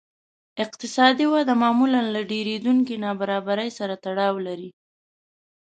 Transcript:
اقتصادي وده معمولاً له ډېرېدونکې نابرابرۍ سره تړاو لري